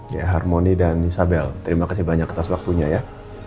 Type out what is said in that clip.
ya harmoni dan isabel terima kasih banyak atas waktunya ya